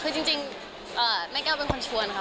คือจริงแม่แก้วเป็นคนชวนค่ะ